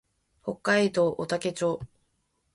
北海道雄武町